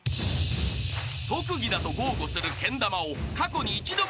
［特技だと豪語するけん玉を］